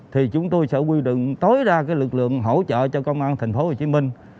thì chúng tôi sẽ quy đựng tối ra lực lượng hỗ trợ cho công an tp hcm